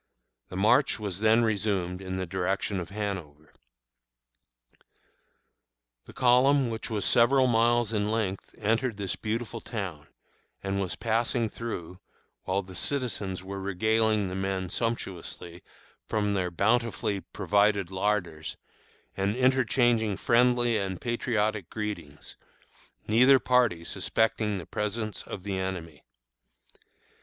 The march was then resumed in the direction of Hanover. The column, which was several miles in length, entered this beautiful town, and was passing through, while the citizens were regaling the men sumptuously from their bountifully provided larders, and interchanging friendly and patriotic greetings, neither party suspecting the presence of the enemy.